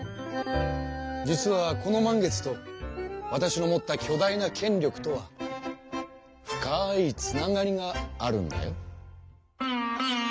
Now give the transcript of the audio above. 実はこの満月とわたしの持ったきょ大な権力とは深いつながりがあるんだよ。